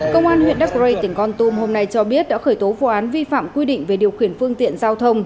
công an huyện đắk rây tỉnh con tum hôm nay cho biết đã khởi tố vụ án vi phạm quy định về điều khiển phương tiện giao thông